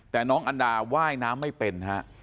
แต่น้องอันดาว่ายน้ำไม่เป็นฮะ